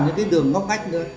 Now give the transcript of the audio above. những cái đường ngóc ngách nữa